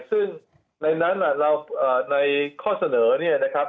ซึ่งในนั้นในข้อเสนอเนี่ยนะครับ